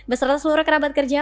bersama seluruh kerabat kerja